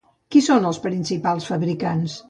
Qui són els principals fabricants?